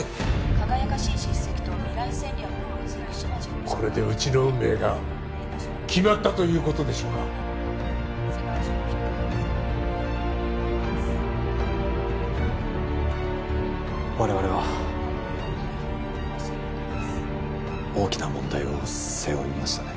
輝かしい実績と未来戦略をこれでうちの運命が決まったということでしょうか我々は大きな問題を背負いましたね